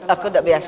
aku enggak biasa